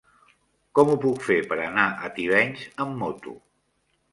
Com ho puc fer per anar a Tivenys amb moto?